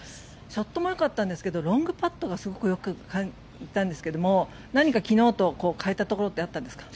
ショットもよかったんですがロングパットがすごくよく感じたんですが何か昨日と変えたところってあったんですか。